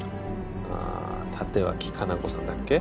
あー立脇香菜子さんだっけ？